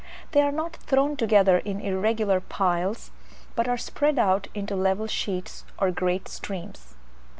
They are not thrown together into irregular piles, but are spread out into level sheets or great streams.